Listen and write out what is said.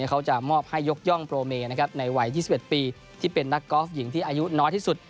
เขาจะมอบให้ยกย่องโปรเมในวัย๒๑ปีที่เป็นนักกอล์ฟหญิงที่อายุน้อยที่สุด